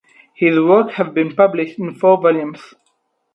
His works have been published in four volumes.